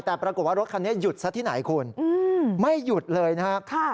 แต่ปรากฏว่ารถคันนี้หยุดซะที่ไหนคุณไม่หยุดเลยนะครับ